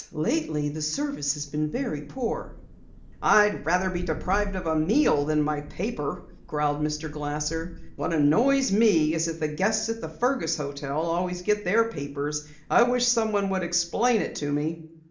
Lately the service has been very poor." "I'd rather be deprived of a meal than my paper," growled Mr. Glasser. "What annoys me is that the guests at the Fergus hotel always get their papers. I wish someone would explain it to me."